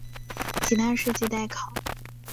其他事迹待考。